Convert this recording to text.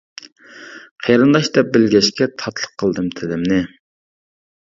قېرىنداش دەپ بىلگەچكە، تاتلىق قىلدىم تىلىمنى.